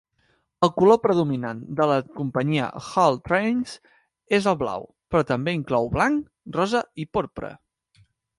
El color predominant de la companyia Hull Trains es el blau, però també inclou blanc, rosa i porpra.